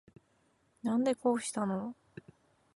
なんでこうしたの